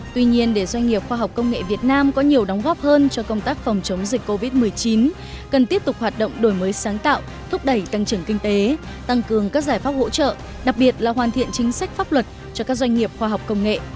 tuy nhiên để doanh nghiệp khoa học công nghệ việt nam có nhiều đóng góp hơn cho công tác phòng chống dịch covid một mươi chín cần tiếp tục hoạt động đổi mới sáng tạo thúc đẩy tăng trưởng kinh tế tăng cường các giải pháp hỗ trợ đặc biệt là hoàn thiện chính sách pháp luật cho các doanh nghiệp khoa học công nghệ